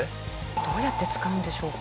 どうやって使うんでしょうか？